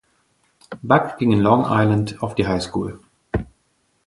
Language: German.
Buck ging in Long Island auf die Highschool.